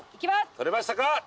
撮れましたか？